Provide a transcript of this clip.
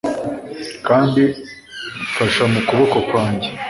kandi mfashe mu kuboko kwanjye